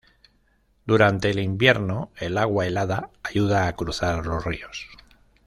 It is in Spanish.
Durante el invierno, el agua helada ayuda a cruzar los ríos.